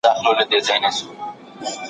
لوستې نجونې د ټولنې ستونزې په ګډه حلوي.